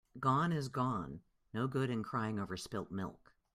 Gone is gone. No good in crying over spilt milk.